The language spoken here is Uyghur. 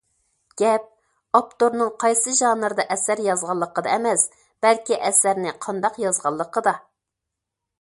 گەپ ئاپتورنىڭ قايسى ژانىردا ئەسەر يازغانلىقىدا ئەمەس، بەلكى ئەسەرنى قانداق يازغانلىقىدا.